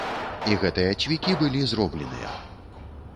І гэтыя цвікі былі зробленыя.